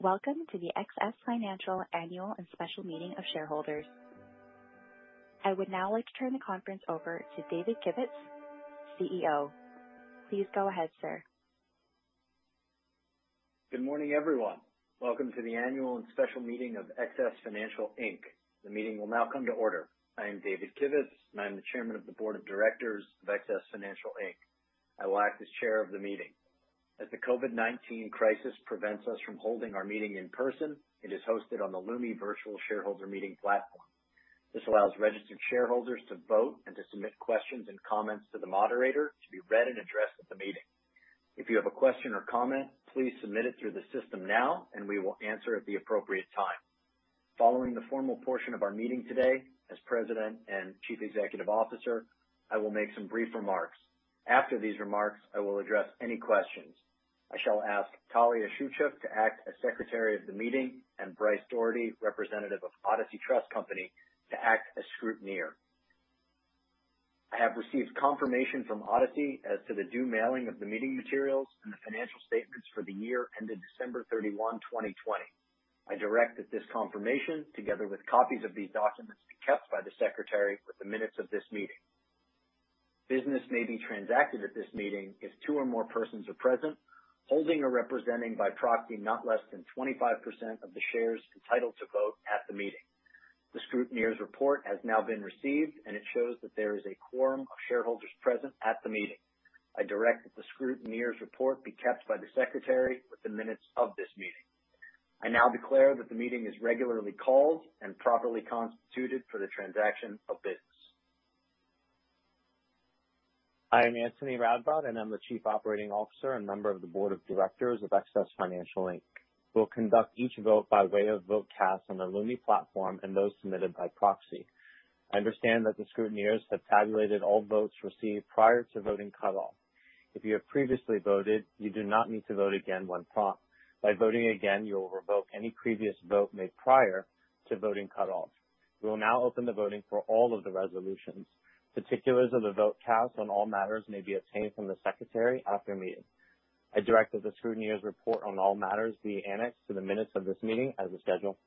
Welcome to the XS Financial Annual and Special Meeting of Shareholders. I would now like to turn the conference over to David Kivitz, CEO. Please go ahead, sir. Good morning, everyone. Welcome to the annual and special meeting of XS Financial Inc. The meeting will now come to order. I am David Kivitz, and I'm the Chairman of the Board of Directors of XS Financial Inc. I will act as chair of the meeting. As the COVID-19 crisis prevents us from holding our meeting in person, it is hosted on the Lumi virtual shareholder meeting platform. This allows registered shareholders to vote and to submit questions and comments to the moderator to be read and addressed at the meeting. If you have a question or comment, please submit it through the system now and we will answer at the appropriate time. Following the formal portion of our meeting today, as President and Chief Executive Officer, I will make some brief remarks. After these remarks, I will address any questions. I shall ask Talia Shewchuk to act as secretary of the meeting and Bryce Docherty, representative of Odyssey Trust Company, to act as scrutineer. I have received confirmation from Odyssey as to the due mailing of the meeting materials and the financial statements for the year ended December 31, 2020. I direct that this confirmation, together with copies of these documents, be kept by the secretary with the minutes of this meeting. Business may be transacted at this meeting if two or more persons are present, holding or representing by proxy, not less than 25% of the shares entitled to vote at the meeting. The scrutineer's report has now been received, it shows that there is a quorum of shareholders present at the meeting. I direct that the scrutineer's report be kept by the secretary with the minutes of this meeting. I now declare that the meeting is regularly called and properly constituted for the transaction of business. I am Antony Radbod, and I'm the Chief Operating Officer and Member of the Board of Directors of XS Financial Inc. We'll conduct each vote by way of vote cast on the Lumi platform and those submitted by proxy. I understand that the scrutineers have tabulated all votes received prior to voting cut-off. If you have previously voted, you do not need to vote again when prompted. By voting again, you will revoke any previous vote made prior to voting cut-off. We will now open the voting for all of the resolutions. Particulars of the vote cast on all matters may be obtained from the secretary after the meeting. I direct that the scrutineer's report on all matters be annexed to the minutes of this meeting as a schedule.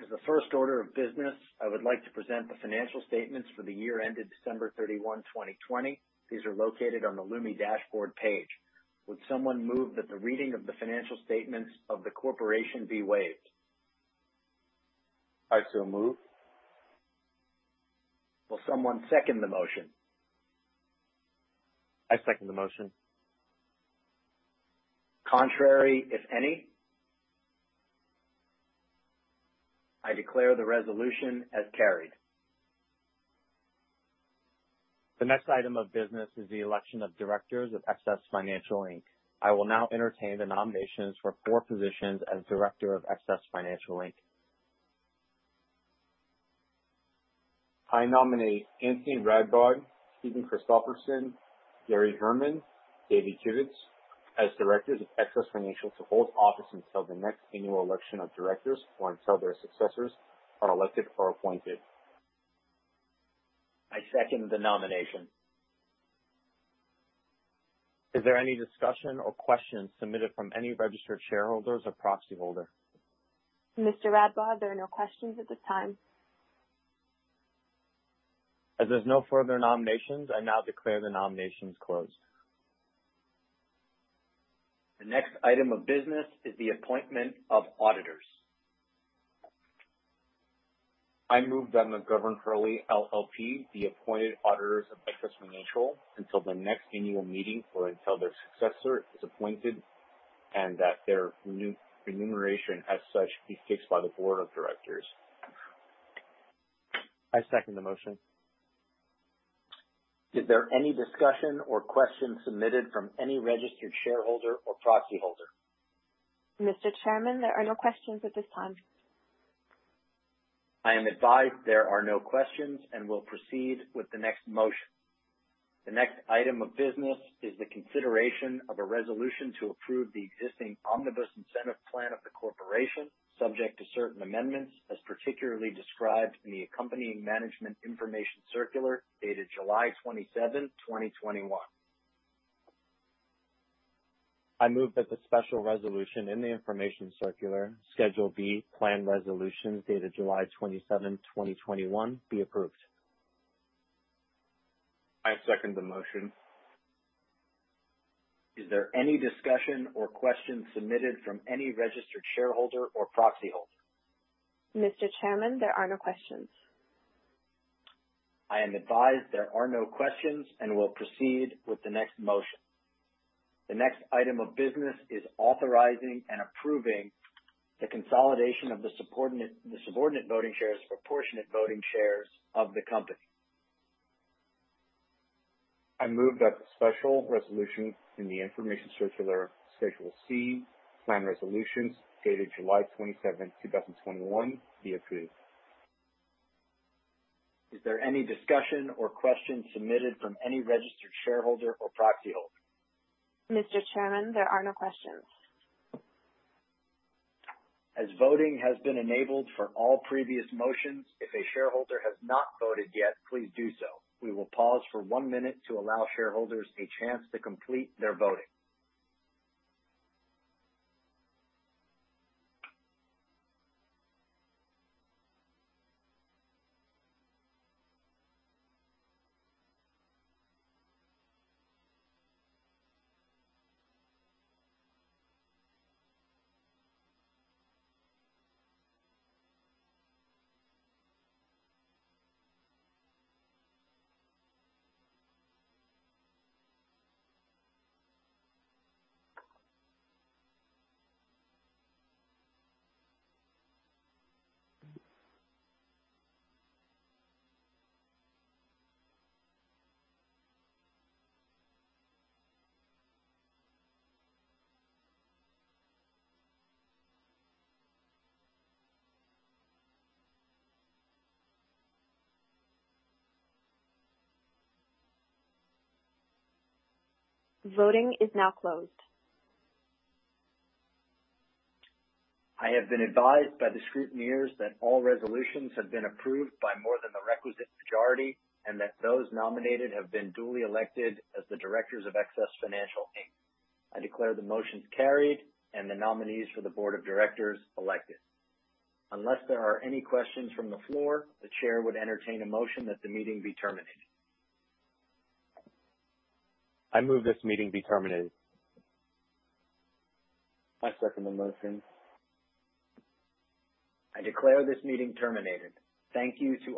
As the first order of business, I would like to present the financial statements for the year ended December 31, 2020. These are located on the Lumi dashboard page. Would someone move that the reading of the financial statements of the corporation be waived? I so move. Will someone second the motion? I second the motion. Contrary, if any. I declare the resolution as carried. The next item of business is the election of directors of XS Financial Inc. I will now entertain the nominations for four positions as director of XS Financial Inc. I nominate Antony Radbod, Stephen Christoffersen, Gary Herman, David Kivitz as directors of XS Financial to hold office until the next annual election of directors or until their successors are elected or appointed. I second the nomination. Is there any discussion or questions submitted from any registered shareholders or proxy holder? Mr. Radbod, there are no questions at this time. As there's no further nominations, I now declare the nominations closed. The next item of business is the appointment of auditors. I move that McGovern Hurley LLP be appointed auditors of XS Financial until the next annual meeting or until their successor is appointed, and that their remuneration as such be fixed by the board of directors. I second the motion. Is there any discussion or questions submitted from any registered shareholder or proxy holder? Mr. Chairman, there are no questions at this time. I am advised there are no questions, and will proceed with the next motion. The next item of business is the consideration of a resolution to approve the existing omnibus incentive plan of the corporation, subject to certain amendments, as particularly described in the accompanying management information circular dated July 27th, 2021. I move that the special resolution in the information circular Schedule B, plan resolutions dated July 27th, 2021 be approved. I second the motion. Is there any discussion or questions submitted from any registered shareholder or proxy holder? Mr. Chairman, there are no questions. I am advised there are no questions, and will proceed with the next motion. The next item of business is authorizing and approving the consolidation of the subordinate voting shares to proportionate voting shares of the company. I move that the special resolution in the information circular Schedule C, plan resolutions dated July 27th, 2021 be approved. Is there any discussion or questions submitted from any registered shareholder or proxy holder? Mr. Chairman, there are no questions. As voting has been enabled for all previous motions, if a shareholder has not voted yet, please do so. We will pause for one minute to allow shareholders a chance to complete their voting. Voting is now closed. I have been advised by the scrutineers that all resolutions have been approved by more than the requisite majority and that those nominated have been duly elected as the directors of XS Financial Inc. I declare the motions carried and the nominees for the board of directors elected. Unless there are any questions from the floor, the chair would entertain a motion that the meeting be terminated. I move this meeting be terminated. I second the motion. I declare this meeting terminated. Thank you to all.